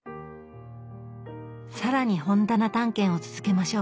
さらに本棚探検を続けましょう。